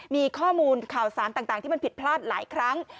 มีข้อมูลข่าวสารต่างที่มันผิดพลาดหลายครั้ง